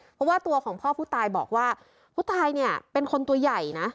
เพราะว่าตัวของพ่อผู้ตายบอกว่าผู้ตายเนี่ยเป็นคนตัวใหญ่นะ